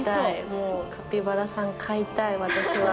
もうカピバラさん飼いたい私は。